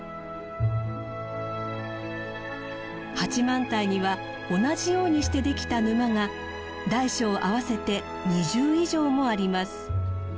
八幡平には同じようにしてできた沼が大小合わせて２０以上もあります。